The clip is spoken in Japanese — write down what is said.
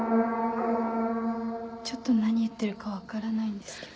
ちょっと何言ってるか分からないんですけど。